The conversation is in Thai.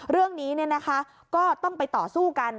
เรื่องนี้เนี่ยนะคะก็ต้องไปต่อสู้กัน